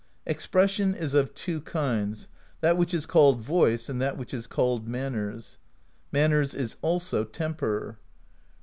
Expression is of two kinds : that which is called voice, and that which is called manners; manners is also temper.